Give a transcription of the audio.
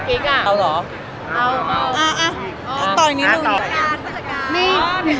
พี่สะจารเพิ่มเขาเข้าไม๊